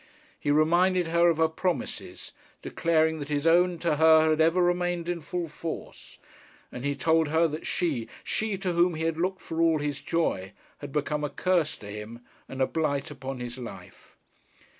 He reminded her of her promises, declaring that his own to her had ever remained in full force. And he told her that she, she to whom he had looked for all his joy, had become a curse to him and a blight upon his life.